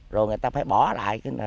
rồi người ta phải bỏ lại